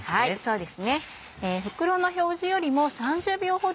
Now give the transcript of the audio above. そうですね袋の。